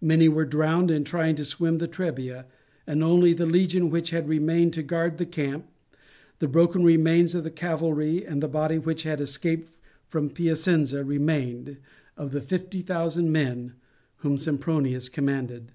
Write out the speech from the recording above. Many were drowned in trying to swim the Trebia, and only the legion which had remained to guard the camp, the broken remains of the cavalry, and the body which had escaped from Piacenza remained of the fifty thousand men whom Sempronius commanded.